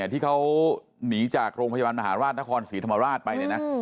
ที่เขาหนีจากโรงพยาบาลมหาราชนครศรีธรรมราชไปเนี่ยนะ